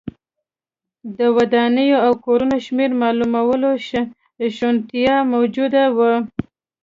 د ودانیو او کورونو شمېر معلومولو شونتیا موجوده وه